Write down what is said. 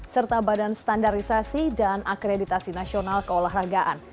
serta badan standarisasi dan akreditasi nasional keolahragaan